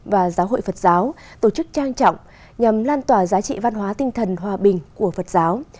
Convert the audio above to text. và giáo hội phật giáo tổ chức trang trọng nhằm lan tỏa giá trị văn hóa tinh thần hòa bình của phật giáo